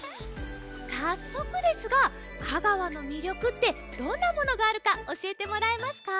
さっそくですが香川のみりょくってどんなものがあるかおしえてもらえますか？